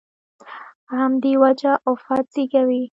په همدې وجه افت زېږوي.